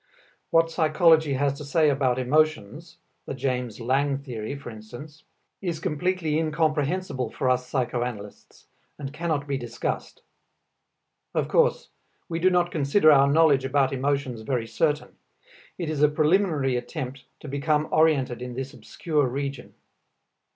What psychology has to say about emotions the James Lange theory, for instance is absolutely incomprehensible for us psychoanalysts, and cannot be discussed. Of course, we do not consider our knowledge about emotions very certain; it is a preliminary attempt to become oriented in this obscure region.